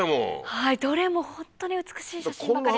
はいどれもホントに美しい写真ばかり。